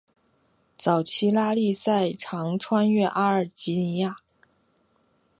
早期拉力赛常穿越阿尔及利亚。